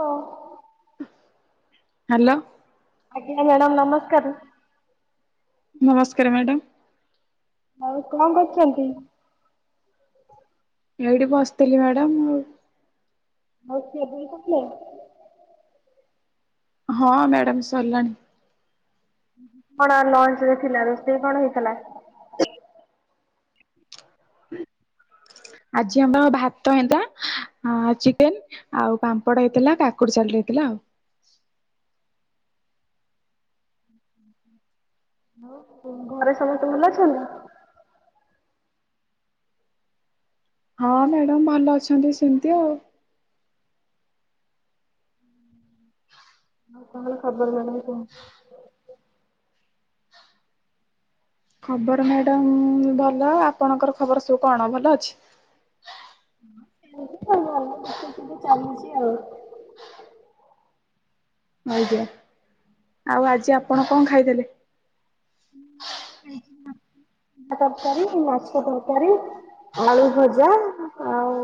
ହଁ। ହ୍ୟାଲୋ। ଆଜ୍ଞା ମ୍ୟାଡ଼ାମ ନମସ୍କାର। ନମସ୍କାର ମ୍ୟାଡ଼ାମ୍। ଆଉ କଣ କରୁଛନ୍ତି। ଏଇଠି ବସିଥିଲି ମ୍ୟାଡ଼ାମ ମୁଁ। ହଉଛି [unintelligible] ହଁ ମ୍ୟାଡାମ ସରିଲାଣି। କଣ ଲଞ୍ଚ୍ ରେ ଥିଲା ରୋଷେଇ କଣ ହେଇଥିଲା। ଆଜି ଆମର ଭାତ ହେଲା ଆଉ ଚିକେନ୍ ଆଉ ପାମ୍ପଡ ହେଇଥିଲା କାକୁଡ଼ି [unintelligible] [unintelligible] [inaudible] ଘରେ ସମସ୍ତେ ଭଲ ଅଛନ୍ତି। ହଁ ମ୍ୟାଡାମ୍ ଭଲ ଅଛନ୍ତି ସେମିତି ଆଉ। ଆ ତାହେଲେ ଖବର [unintelligible] ଖବର ମ୍ୟାଡାମ୍ ଭଲ ଆପଣଙ୍କର ଖବର ସବୁ କଣ ଭଲ ଅଛି। ହୁଁ। ଚାଲିଛି ଆଉ। ଆଜ୍ଞା ଆଉ ଆଜି ଆପଣ କଣ ଖାଇଥିଲେ? [unintelligible] [unintelligible] ତରକାରୀ ମାଛ ତରକାରୀ ଆଳୁ ଭଜା ଆଉ।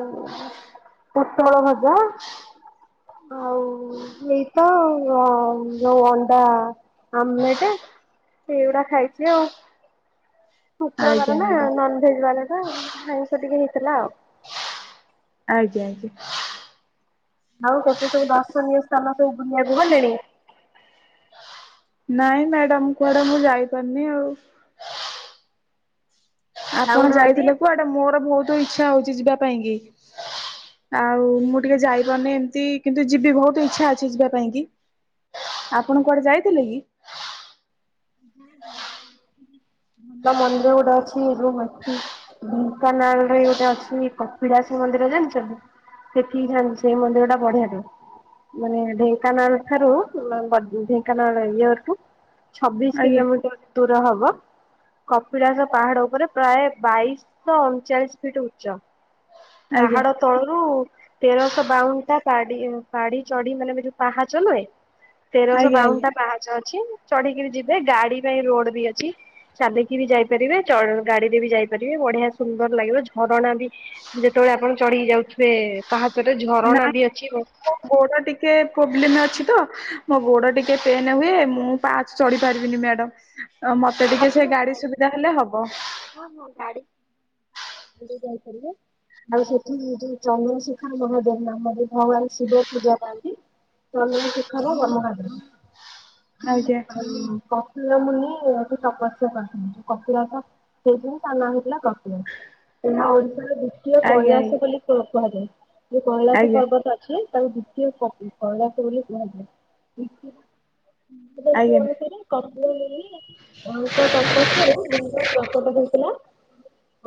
ପୋଟଳ ଭଜା। ଆଉ ଏଇତ ଯୋଉ ଅଣ୍ଡା ଆମଲେଟ୍। ଏଇଉଡା ଖାଇଛି ଆଉ। ଆଜ୍ଞା ଶୁକ୍ରବାର ନା ମ୍ୟାଡାମ ନନଭେଜ୍ ବାର ନା ଆଇଁଷ ଟିକେ ହେଇଥିଲା ଆଉ। ଆଜ୍ଞା ଆଜ୍ଞା। ଆଉ କେତେ ସବୁ ଦର୍ଶନୀୟ ସ୍ଥାନ ସବୁ ବୁଲିବାକୁ ଗଲେଣି। ନାଇଁ ମ୍ୟାଡାମ୍ କୁଆଡ଼େ ମୁଁ ଯାଇପାରୁନି ଆଉ। ଆପଣ ଯାଉନାହାନ୍ତି ଯାଇଥିଲେ କୁଆଡ଼େ ମୋର ବହୁତ ଇଚ୍ଛା ହଉଛି ଯିବା ପାଇଁ କି। ଆଉ ମୁଁ ଟିକେ ଯାଇପାରୁନି ଏମିତି କିନ୍ତୁ ଯିବି ବହୁତ ଇଚ୍ଛା ଅଛି ଯିବା ପାଇଁ କି। ଆପଣ କୁଆଡ଼େ ଯାଇଥିଲେ କି? ମନ୍ଦିର ଉଡେ ଅଛି ରୁ ଢେଙ୍କାନାଳରେ ଗୋଟେ ଅଛି କପିଳାସ ମନ୍ଦିର ଜାଣିଛନ୍ତି। ସେଠିକି [unintelligible] ମନ୍ଦିରଟା ବଢ଼ିଆ ଟେ। ମାନେ ଢେଙ୍କାନାଳଠାରୁ ଢେଙ୍କାନାଳ ଇଏଠୁ ଛବିଶି ଆଜ୍ଞା କିଲୋମିଟର ଦୂର ହବ। କପିଳାସ ପାହାଡ଼ ଉପରେ ପ୍ରାୟ ବାଇଶିଶହ ଅଣଚାଳିଶି ଫିଟ୍ ଉଚ୍ଚ। ଆଜ୍ଞା ପାହାଡ଼ ତଳରୁ ତେରଶହ ବାଉନୁଟା ପାଢୀ ପାଢ଼ୀ ଚଢିଗଲେ ଯୋଉ ପାହାଚ ନୁହେଁ ଆଜ୍ଞା ତେରଶହବାଉନୁଟା ଆଜ୍ଞା ପାହାଚ ଅଛି। ଚଢି଼କିରି ଯିବେ ଗାଡ଼ି ପାଇଁ ରୋଡ଼ ବି ଅଛି। ଚାଲିକି ବି ଯାଇପାରିବେ ଗାଡ଼ିରେ ବି ଯାଇପାରିବେ ବଢ଼ିଆ ସୁନ୍ଦର ଲାଗିବ ଝରଣା ବି ଯେତ ବେଳେ ଆପଣ ଚଢିକି ଯାଉଥିବେ ପାହାଚରେ ନାଇଁ ଝରଣା ବି ଅଛି। ନାଇଁ ମୋ ଗୋଡ଼ଟିକେ ପ୍ରୋବ୍ଲେମ୍ ଅଛି ତ। ମୋ ଗୋଡ ଟିକେ ପେନ୍ ହୁଏ ମୁଁ ପାହାଚ ଚଢି ପାରିବିନି ମ୍ୟାଡ଼ାମ। ଆ ମତେ ଟିକେ ସେ ଗାଡି ସୁବିଧା ହେଲେ ହବ। ଆମେ ଯଉ ଯାଇଥିଲେ। ଆଉ ସେଠି ଯୋଉ ଚନ୍ଦ୍ରଶେଖର ମହାଦେବ ନାମରେ ଭଗବାନ ଶିବ ପୂଜା ପାଆନ୍ତି। ଚନ୍ଦ୍ରଶେଖର ମହାରାଜ। ଆଜ୍ଞା କପିଳ ମୁନି। ତପସ୍ୟା କରିଥିଲେ କପିଳାସ ହେଇଛନ୍ତି ତା ନାଁ ହେଇଥିଲା କପିଳ ତା ନା ଆ ଦ୍ୱିତୀୟ ଆଜ୍ଞା କୈଳାସ ଆଜ୍ଞା ବୋଲି କୁ-କୁହାଯାଏ ଯୋଉ କୈଳାସ ଆଜ୍ଞା। ପର୍ବତ ଅଛି। ତାର ଦ୍ୱିତୀୟ କ-କୈଳାସ ବୋଲି କୁହାଯାଏ। [inaudible] ଆଜ୍ଞା ଅନୁସାରେ କପିଳ ମୁନି। ତାଙ୍କ ତପସ୍ୟାରୁ ଲିଙ୍ଗ ପ୍ରକଟ ହୋଇଥିଲା।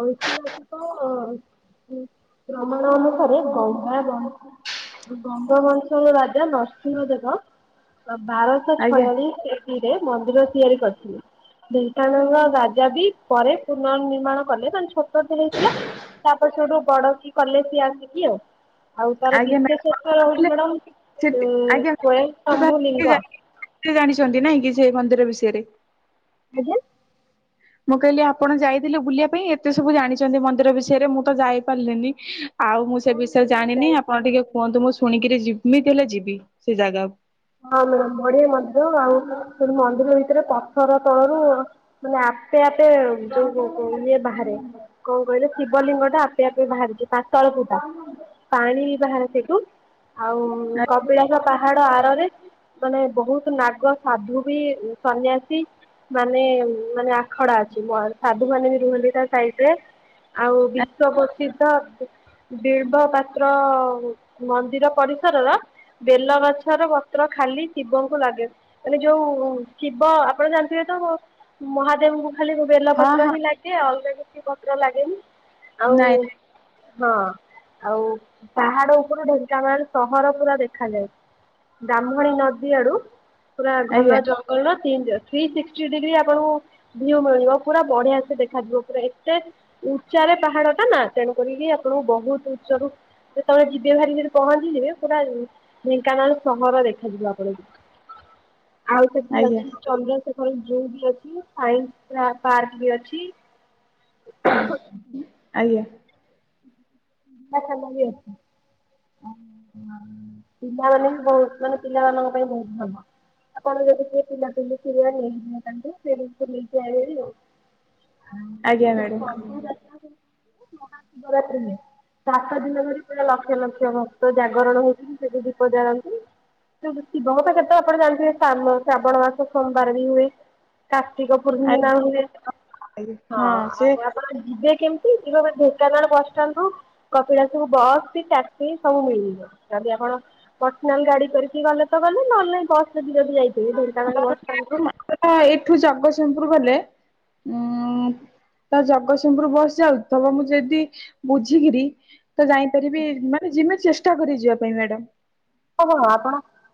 ହଉ ଠିକ ଅଛି ତ। ପ୍ରମାଣ ଅନୁସାରେ ଗଙ୍ଗା ବ୍ରହ୍ମ। [inaudible] ଗଙ୍ଗବଂଶର ରାଜା ନରସିଂହ ଦେବ। ବାରଶହ ଆଜ୍ଞା ଛୟାଳିଶ ଏ ଡି ରେ ମନ୍ଦିର ତିଆରି କରିଥିଲେ। ଢେଙ୍କାନାଳର ରାଜା ବି ପରେ ପୁନର୍ ନିିର୍ମାଣ କଲେ ତା ଛୋ ଟଟେ ହେଇଥିଲା ତାପରେ ସେଉଠୁ ବଡ କି କଲେ ସିଏ ଆସିକି ଆଉ। ଆଉ ତାର ଆଜ୍ଞା ମ୍ୟାଡାମ ବିଶେଷତ୍ଵ ଆପଣ ହଉଛି ଥିଲେ ମ୍ୟାଡାମ ସେଠି ଅଁ ଆଜ୍ଞା ସ୍ଵୟଂସମ୍ଭୁ ଲିଙ୍ଗ। ଜାଣିଛନ୍ତି ନାଇଁ କି ସେ ମନ୍ଦିର ବିଷୟରେ। ଆଜ୍ଞା। ମୁଁ କହିଲି ଆପଣ ଯାଇଥିଲେ ବୁଲିବା ପାଇଁ ଏତେ ସବୁ ଜାଣିଛନ୍ତି ମନ୍ଦିର ବିଷୟରେ ମୁଁ ତ ଯାଇପାରିଲିନି। ଆଉ ମୁଁ ସେ ହଁ ବିଷୟ ମ୍ୟାଡ଼ାମ ମୁଁ ଜାଣିନି ଆପଣ ଯାଇଥିଲି ଟିକେ ମନ୍ଦିର। କୁହନ୍ତୁ ମୁଁ ଶୁଣିକିରି ଯେମିତି ହେଲେ ଯିବି ସେ ଜାଗା। ହଁ ମ୍ୟାଡ଼ାମ ବଢ଼ିଆ ମନ୍ଦିର ଆଉ ସେ ମନ୍ଦିର ଭିତରେ ପଥର ତଳରୁ ମାନେ ଆ ଆପେ ଆପେ ଯୋଉ କ କ ଇଏ ବାହାରେ କଣ କହିଲେ ଶିବଲିଙ୍ଗଟା ଆପେ ଆପେ ବାହାରିଛି ପା ତଳ ଫୁଟା ପାଣି ବାହାରେ ସେଠୁ ଆଉ କପିଳାସ ପାହାଡ ଆରରେ। ମାନେ ବହୁତ ନାଗ ସାଧୁ ବି ସନ୍ନ୍ୟାସୀ। ମାନେ ମାନେ ଆଖଡା ଅଛି ବର ସାଧୁମାନେ ବି ରୁହନ୍ତି ତା ସାଇଟରେ। ଆଉ ବିଶ୍ଵ ପ୍ରସିଦ୍ଧ ବ। ବିଳବ ପାତ୍ର ମନ୍ଦିର ପରିସରର ବେଲଗଛର ପ ତ୍ର ଖାଲି ଶିବଙ୍କୁ ଲାଗେ ମାନେ ଯୋଉ। ଶିବ ଆପଣ ଜାଣିଥିବେ ତ ବ ମହାଦେବଙ୍କୁ ଖାଲି ହଁ ବେ-ବେଲପତ୍ର ହଁ ହିଁ ଲାଗେ ଅଲଗା କି କିଛି ପତ୍ର ଲାଗେନି ଆଉ। ନାଇଁ ହଁ ଆଉ ପାହାଡ ଉପରୁ ଢେଙ୍କାନାଳ ସହର ପୁରା ଦେଖାଯାଏ। ବ୍ରାହ୍ମଣୀ ନଦୀ ଆଡୁ ପୁରା ଘନ ଆଜ୍ଞା ଜଙ୍ଗଲର। ସେମିତି ଆ ଥ୍ରୀ ଶିକ୍ଟୀ ଡିଗ୍ରୀ ଆପଣଙ୍କୁ ଭିଉ ମିଳିବ ପୁରା ବଢିଆ ସେ ଦେଖାଯିବ ପୁରା ଏତେ। ଉଚ୍ଚାରେ ପାହାଡଟା ନା ତେଣୁ କରିକି ଆପଣଙ୍କୁ ବହୁତ ଉଚ୍ଚରୁ। ଯେତେବେଳେ ଯିବେ ଭେରି ସେଠି ପହଞ୍ଚିଯିବେ ପୁରା ଢେଙ୍କାନାଳ। ସହର ଦେଖାଯିବ ଆପଣଙ୍କୁ ଆଉ ସେଠି ଆଜ୍ଞା ଅଛି ଚନ୍ଦ୍ରଶେ ଖର ଜୁ ବି ଅଛି ସାଇନ୍ସ ପାର୍କ ବି ଅଛି। ଆଜ୍ଞା। ସୁନା ଖାଲ ବି ଅଛି। ପିଲାମାନେ ବି ବହୁତ ମାନେ ପିଲାମାନଙ୍କ ପାଇଁ ବହୁତ ଭଲ। ଆପଣ ଯଦି କିଏ ପିଲା ପିଲି ଥିବେ ନେଇକି ଯିବେ ତାଙ୍କୁ ସେଇ ରିସ୍କ ରେ ନେଇକି ଆଣିବେ ଆଉ। ଆଜ୍ଞା ମ୍ୟାଡାମ। ମହା ଶିବରାତ୍ରୀ ନୁହେଁ। ସାତ ଦିନ ଧରି ପୁରା ଲକ୍ଷ ଲକ୍ଷ ଭକ୍ତ ଜାଗରଣ ହଉଛନ୍ତି ସେଠି ଦୀପ ଜାଳନ୍ତି। ସେଠୁ ଶିବ ଙ୍କ ପାଖରେ ତ ଆପଣ ଜାଣିଥିବେ ଶାବ ଶ୍ରାବଣ ମାସ ସୋମବାର ବି ହୁଏ। କାର୍ତ୍ତିକ ପୂର୍ଣ୍ଣିମା ହୁଏ ଆଜ୍ଞା ହଁ ସେ ଆଉ ଆପଣ ଯିବେ। କେମିତି ଯିବ ଭେରି ଢେଙ୍କାନାଳ ବସ ଷ୍ଟାଣ୍ଡରୁ। କପିଳାସ କୁ ବସ୍ କି ଟ୍ୟାକ୍ସି ସବୁ ମିଳିଯିବ ଯଦି ଆପଣ ପର୍ସନାଲ ଗାଡି କରିକି ଗଲେ ତ ଗ ନହେଲେ ନାଇଁ ବସ୍ ରେ ବି ଯଦି ଯାଇଥିବି, ଢେଙ୍କାନାଳ ବସଷ୍ଟାଣ୍ଡ ରୁ ଉଁ-ଉଁ ତା ଜଗତସିଂହପୁରୁ ବସ ଯାଉଥିବ, ମୁଁ ଯିଦି ବୁଝିକିରି ତ ଯାଇଁ ପାରିବି। ମାନେ ଯିମିତି ଚେଷ୍ଟାକରି ଯିବା ପାଇଁ ମ୍ୟାଡମ୍।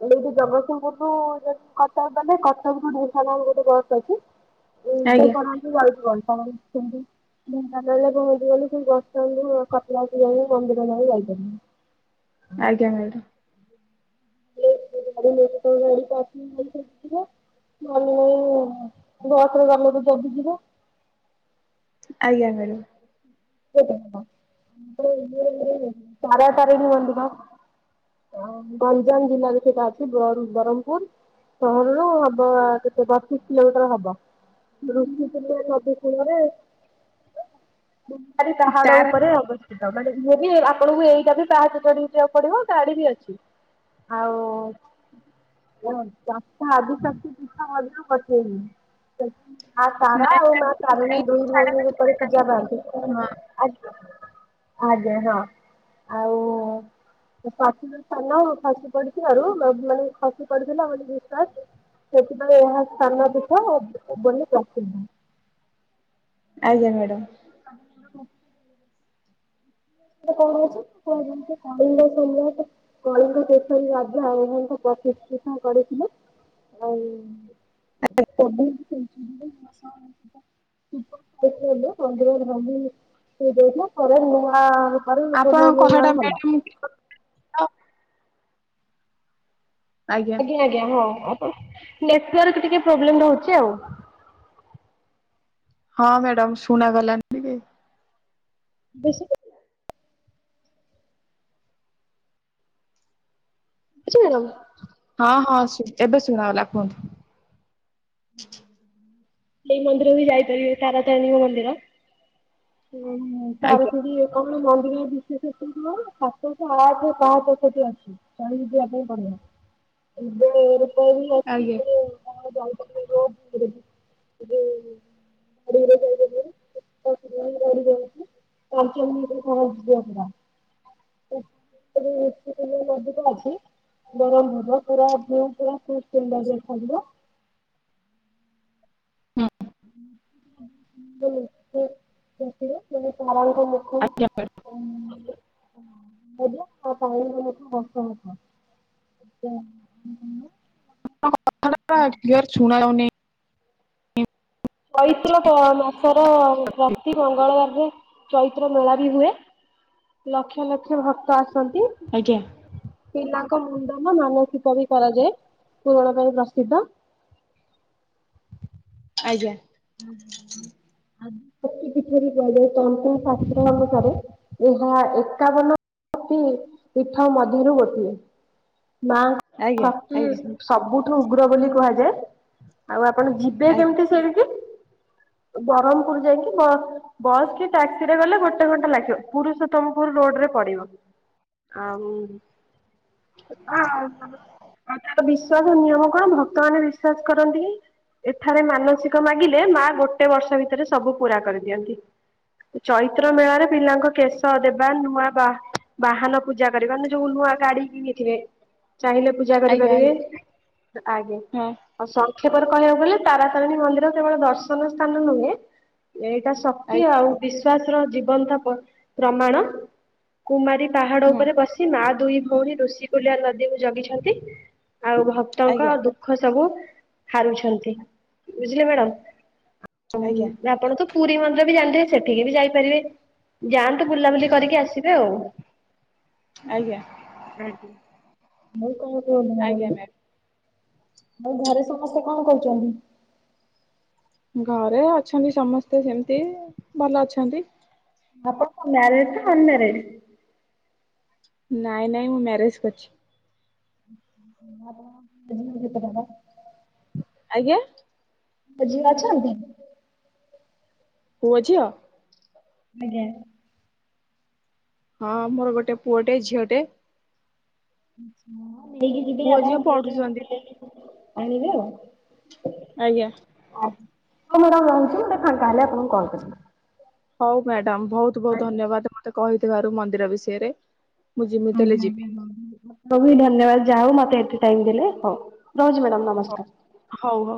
ଏଇ ଠୁ ଜଗତସିଂହପୁରୁ ରୁ ଯଦି କଟକ ଗଲେ, କଟକରୁୁ ଢେଙ୍କାନାଳ ଗୋଟେ ବସ୍ ଅଛି। ଏଇ ଆଜ୍ଞା ଢେଙ୍କାନାଳ ଠୁ [unintelligible] ଢେଙ୍କାନାଳ ରେ ପହଞ୍ଚି ଗଲୁ, ସେ ବସ ଷ୍ଟାଣ୍ଡ ରୁ କପିଳାସ ଯାଇ, ମନ୍ଦିର ଯାଇ ଯାଇପରିବୁ। ଆଜ୍ଞା ମ୍ୟାଡାମ୍। [unintelligible] ଗାଡି ନେଇକି ଗାଡି ପାର୍କିଙ୍ଗ [unintelligible] ମାନେ ବସ୍ ରେ ଗଲେ ବି ଜଦି ଯିବ! ଆଜ୍ଞା ମ୍ୟାଡମ୍। [inaudible] ତାରାତାରିଣୀ ମନ୍ଦିର ଗଞ୍ଜାମ ଜିଲ୍ଲା ରେ ସେଟା ଅଛି, ବ ରୁ ବରହମ୍ପୁର। ସହରରୁୁ ହବ କେତେ ବତିଶ କିଲୋମିଟର ହବ। ଋଷିକୂଲ୍ୟା ନଦୀ କୂଳରେ ଗୁମ୍ଫାରେ ପାହାଡ ତାର ଉପରେ ଅବଧ ବି ଆପଣଙ୍କୁ ଏଇଟା ବି ପାହାଚ ଚଢୀ ଯିବାକୁ ପଡିବ ଗାଡି ବି ଅଛି। ଆଉ ଉଁ। [unintelligible] ମା ତାରା ଆଉ ମା ନୟାଗଡ଼ ତାରିଣୀ ଦୁଇ ସାଢେ ଭଉଣୀ ଉପରେ ପୂଜା ତିନି ପାଆନ୍ତି। ହଁ। ଆଜ୍ଞା ଆଜ୍ଞା ହଁ। ଆଉ ପାଠର ସ୍ଥାନ ଖସି ପଡିଥ ଆରୁ ମାନେ ଖସି ପଡିଥିଲା ମାନେ ବିଶ୍ଵାସ ସେଥିପାଇଁ ଏହା ସ୍ଥାନ ପୀଠ ବୋଲି ପ୍ରସିଦ୍ଧ। ଆଜ୍ଞା ମ୍ୟାଡ଼ାମ। [unintelligible] କଣ ଅଛି କ କଳିଙ୍ଗ ସମ କଳିଙ୍ଗ ତଷରୀ ରାଜ ଆଉ। କିଷ୍ କରିଥିଲ, ଆଉ। [unintelligible] [unintelligible] ଆଉ ପୁନ ଆପଣଙ୍କ କଥାଟା ନିର୍ମାଣ ମ୍ୟାଡ଼ାମ ହେଲା। ଆଜ୍ଞା ଆଜ୍ଞା ହଁ। ନେଟୱର୍କ ଟିକେ ପ୍ରୋବେଲମ୍ ରହିଛି ଆଉ। ହଁ ମ୍ୟାଡାମ ଶୁଣାଗଲାନି ଟିକେ। ବେଶି କି ଶୁଭୁଚି ମ୍ୟାଡାମ? ହଁ ହଁ ଏବେ ଶୁଣାଗଲା କୁହନ୍ତୁ? ଏ ମନ୍ଦିର ବି ଯାଇପାରିବେ ତାରା ତାରିଣୀ ମନ୍ଦିର। [unintelligible] ଆଜ୍ଞା ବିଶତ ସାତଶହ ଆଠ ପାଞ୍ଚ ସେଠ ଅଛି ଚହ ଯିବା ପାଇଁ ପଡିବ। ଆଜ୍ଞା [unintelligible] [unintelligible] [unintelligible] [unintelligible] ମଧ୍ୟ ତ ଅଛି। ଗରମ ହେବ। [unintelligible] ହୁଁ ହୁଁ ହୁଁ। ଆଜ୍ଞା ସେ ମାନେ। [unintelligible] [unintelligible] [unintelligible] [unintelligible] ଚୈତ୍ର ମାସର ପ୍ରତି ମଙ୍ଗଳବାରରେ ଚୈତ୍ର ମେଳା ହୁଏ ଲକ୍ଷ ଲକ୍ଷ ଭକ୍ତ ଆସ ଛନ୍ତି ଆଜ୍ଞା ପିଲାଙ୍କ ମୁଣ୍ଡନ ମାନାସିକ ବି କରାଯାଏ ପୁରଣ ପାଇଁ ପ୍ରସିଦ୍ଧ ଆଜ୍ଞା [inaudible] କୁହାଯାଏ ତନ୍ତମ ଶାସ୍ତ୍ର ଅନୁସାରେ ଏହା ଏକାବନ ଅତି ପୀଠ ମଧ୍ୟରୁ ଗୋଟିଏ ମା ଆଜ୍ଞା ବାତି ଆଜ୍ଞା ସବୁଠୁ ଉଗ୍ର ବୋଲି କୁହାଯାଏ ଆଉ ଆପଣ ଯିବେ ଆଜ୍ଞା କେମିତି ସେଇଠିକି ବ୍ରହ୍ମପୁର ଯାଇକି ବ ବସ୍ କି ଟ୍ୟାକ୍ସି ରେ ଗଲେ ଗୋଟେ ଘଣ୍ଟା ଲାଗିବ ପୁରୁଷୋତମପୁର ରୋଡ ରେ ପଡିବ ଆଉ ଆଉ ବିଶ୍ଵାସ ନିୟମ କଣ ଭକ୍ତ ମାନେ ବିଶ୍ସ କରନ୍ତି ଏଠାରେ ମାନସିକ ଲାଗିଲେ ମା ଗୋଟେ ବର୍ଷ ଭିତରେ ସବୁ ପୁରା କରିଦିଅନ୍ତି ଚୈତ୍ର ମେଳାରେ ପିଲାଙ୍କ କେଶ ଦେବା ନୂଆ ବା ବାହାନ ପୂଜା କରିବା ନା ଯୋଉ ନୂଆ ନୂଆ ଗାଡି କିଣିଥିବାଥିବେ ଚାହିଁଲେ ପୂଜା ଆଜ୍ଞା କରିପାରିବେ ଆଜ୍ଞା ଆଜ୍ଞା ହଁ ଆଉ ସ ଆକ୍ଷେପର କହିବାକୁ ଗଲେ ତାରାତାରିଣୀ ମନ୍ଦିର କେବଳ ଦର୍ଶନ ସ୍ଥାନ ନୁହେଁ ଏଇଟା ଶକ୍ତି ଆଜ୍ଞା ଆଉ ବିଶ୍ଵାସର ଜୀବନ୍ତ ପ୍ରମାଣ କୁମାରୀ ପାହାଡ ହୁଁ ଉପରେ ବସି ମା ଦୁଇ ଭଉଣୀ ଋଷିକୁଲିଆ ନଦୀକୁ ଜଗିଛନ୍ତି ଆଉ ଭକ୍ତଙ୍କ ଆଜ୍ଞା ଦୁଃଖ ସବୁ ହାରୁଛନ୍ତି ବୁଝିଲେ ମ୍ୟାଡାମ ହ ଆଜ୍ଞା ଆପଣ ତ ପୁରୀ ମନ୍ଦିର ବି ଜାଣିଥିବେ ସେଠିକି ବି ଯାଇପାରିବେ ଯାଆନ୍ତୁ ବୁଲାବୁଲି କରିକି ଆସିବେ ଆଉ ଆଜ୍ଞା ଆଜ୍ଞା [unintelligible] ଆଉ ମ୍ୟାମ ଘରେ ସମସ୍ତେ କଣ କରୁଛନ୍ତି ଘରେ ଅଛନ୍ତି ସମସ୍ତେ ସେମିତି ଭଲ ଅଛନ୍ତି ଆପଣ ମ୍ୟାରଜ ନା ଅନମ୍ୟାରେଜ ନାଇଁ ନାଇଁ ମୁଁ ମ୍ୟାରେଜ କରିଛି [unintelligible] ଆଜ୍ଞା ବୁଝି ଅଛନ୍ତି ପୁ ଝିଅ ଆଜ୍ଞା ହଁ ମୋର ଗୋଟେ ପୁଅଟେ ଝିଅ ଟେ ନେଇକି ପୁଅ ଝିଅ ପଢୁଛନ୍ତି ବି। ଯିବିନି ଆଣିବି [unintelligible] ଆଜ୍ଞା ହଁ ମୋର ରହୁଛୁ ମୁଁଟିକେ ଫାଙ୍କା ହେଲେ ଆପଣଙ୍କୁ କଲ କରିବି ହଉ ମ୍ୟାଡାମ ବହୁତ ବହୁତ ଧନ୍ୟବାଦ ମତେ କହିଥିବାରୁ ମନ୍ଦିର ବିଷୟରେ ମୁଁ ଯେମିତି ହେଲେ ଆଜ୍ଞା ଯିବି ଆଜ୍ଞାି ବହୁତୁ ଧନ୍ୟବାଦ ଯାହା ହଉ ମତେ ଏତେ ଟାଇମ୍ ଦେଲେ ହଉ ରହୁଚି ମ୍ୟାଡ଼ାମ ନମସ୍କାର। ହଉ ହଉ।